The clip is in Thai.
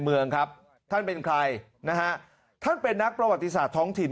เมืองครับท่านเป็นใครนะฮะท่านเป็นนักประวัติศาสตร์ท้องถิ่น